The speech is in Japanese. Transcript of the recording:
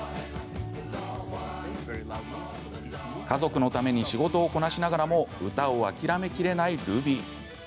家族のために仕事をこなしながらも歌を諦めきれないルビー。